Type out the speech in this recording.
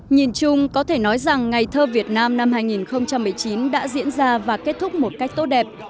nhìn chung có thể nói rằng ngày thơ việt nam năm hai nghìn một mươi chín đã diễn ra và kết thúc một cách tốt đẹp